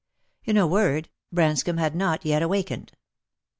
In a word, Branscomb had not yet awakened.